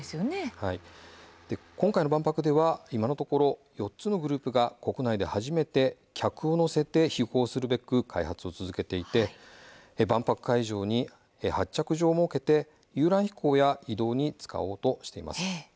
今回の万博では今のところ４つのグループが国内で初めて客を乗せて飛行するべく開発を続けていて万博会場に発着場を設けて遊覧飛行や移動に使おうとしています。